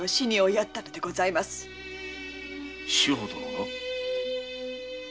志保殿が？